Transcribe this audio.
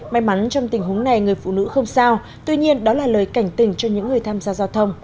may mắn trong tình huống này người phụ nữ không sao tuy nhiên đó là lời cảnh tình cho những người tham gia giao thông